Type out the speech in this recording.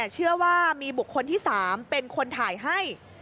เชื่อว่ามีบุคคลที่๓เป็นคนถ่ายให้